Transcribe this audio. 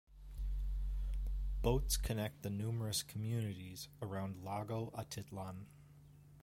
Boats connect the numerous communities around Lago Atitlan.